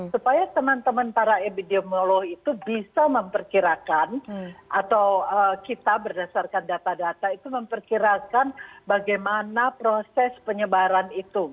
supaya teman teman para epidemiolog itu bisa memperkirakan atau kita berdasarkan data data itu memperkirakan bagaimana proses penyebaran itu